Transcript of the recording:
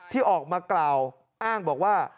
ที่ออกมากล่าวอ้างบอกว่า